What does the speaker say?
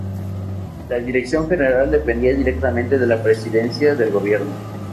La dirección general dependía directamente de la Presidencia del gobierno.